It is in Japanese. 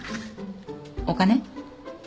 お金。